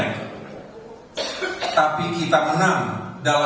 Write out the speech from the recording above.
dan menjadi bagian dari koalisi yang lama